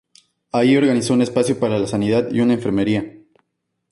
Allí organizó un espacio para la sanidad y una enfermería.